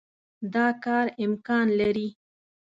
دا کار امکان لري.